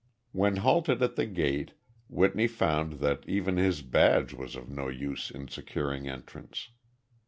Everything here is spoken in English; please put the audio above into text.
When halted at the gate, Whitney found that even his badge was of no use in securing entrance.